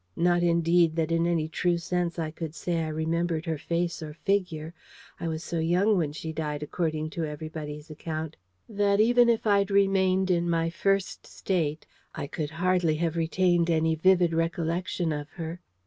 Not indeed that in any true sense I could say I remembered her face or figure: I was so young when she died, according to everybody's account, that even if I'd remained in my First State I could hardly have retained any vivid recollection of her.